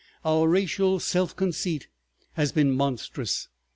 Our racial self conceit has been monstrous.